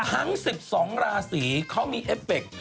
ทั้ง๑๒ลาสีเขามีเอฟเฟกต์